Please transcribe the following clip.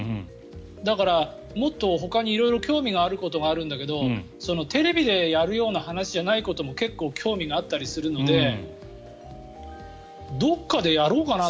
だから、もっとほかに興味があることもあるんだけどテレビでやるような話じゃないことも興味があったりするのでどこかでやろうかなと。